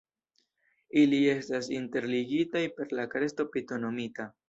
Ili estas interligitaj per la kresto Pitono Mita.